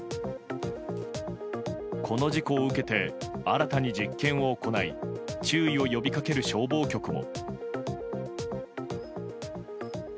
この事故を受けて新たに実験を行い注意を呼びかける消防局も。